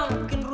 aduh ada apa ya